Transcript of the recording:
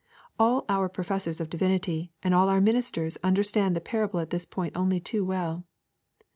All our professors of divinity and all our ministers understand the parable at this point only too well.